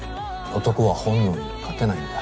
男は本能に勝てないんだ。